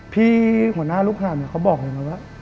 พี่หัวหน้าลูกห่านเขาบอกอย่างนั้นว่า